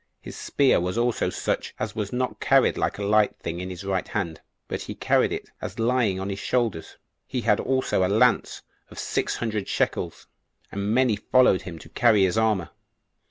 His spear was also such as was not carried like a light thing in his right hand, but he carried it as lying on his shoulders. He had also a lance of six hundred shekels; and many followed him to carry his armor.